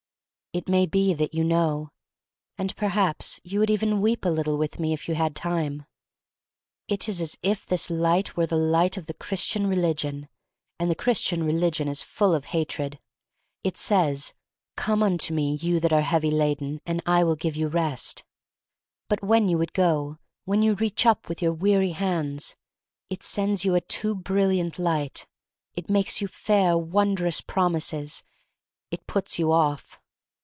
It may be that you know. And per haps you would even weep a little with me if you had time. f l6o THE STORY OF MARY MAC LANE It is as if this Light were the light of the Christian religion — and the Chris tian religion is full of hatred. It says, "Come unto me, you that are heavy laden, and I will give you rest." But when you would go, when you reach up with your weary hands, it sends you a too brilliant Light — it makes you fair, wondrous promises — it puts you off.